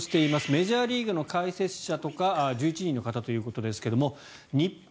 メジャーリーグの解説者とか１１人の方ということですが日本、